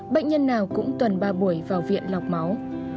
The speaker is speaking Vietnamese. bệnh nhân nào cũng tuần ba buổi vào viện lọc máu